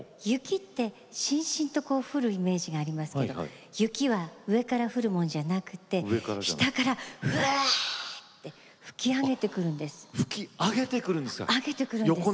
雪ってしんしんと降るイメージがありますが雪は上からくるものではなくて下から吹き上げてくるんです。